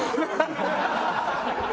ハハハハ！